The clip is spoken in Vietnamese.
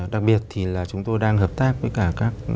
đặc biệt thì là chúng tôi đang hợp tác với cả các